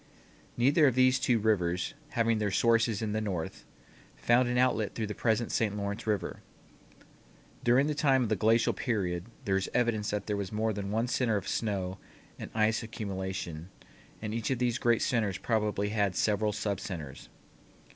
Neither of these two rivers, having their sources in the north, found an outlet through the present St. Lawrence River. During the time of the glacial period there is evidence that there was more than one center of snow and ice accumulation and each of these great centers probably had several subcenters.